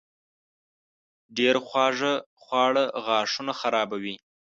ډېر خواږه خواړه غاښونه خرابوي.